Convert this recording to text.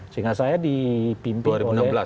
sehingga saya dipimpin oleh